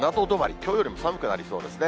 きょうよりも寒くなりそうですね。